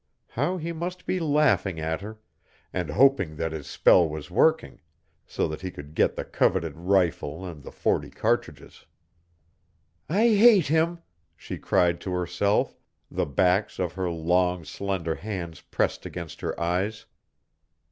How he must be laughing at her and hoping that his spell was working, so that he could get the coveted rifle and the forty cartridges. "I hate him!" she cried to herself, the backs of her long, slender hands pressed against her eyes.